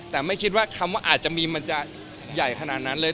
แต่ไม่คิดว่าคำว่าอาจจะมีมันจะใหญ่ขนาดนั้นเลย